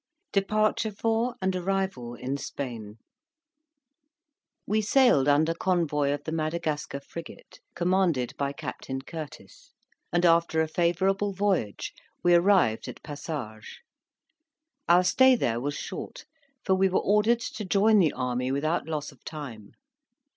DEPARTURE FOR AND ARRIVAL IN SPAIN We sailed under convoy of the Madagascar frigate, commanded by Captain Curtis; and, after a favourable voyage, we arrived at Passages. Our stay there was short, for we were ordered to join the army without loss of time.